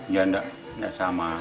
ya enggak sama